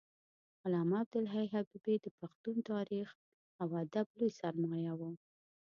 علامه عبدالحی حبیبي د پښتون تاریخ او ادب لوی سرمایه و